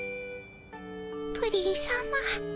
プリンさま。